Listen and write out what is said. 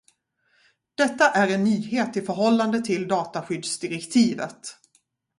Detta är en nyhet i förhållande till dataskyddsdirektivet.